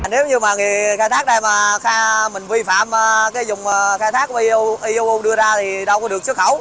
nếu như mà người khai thác đây mà mình vi phạm cái dùng khai thác của eu đưa ra thì đâu có được xuất khẩu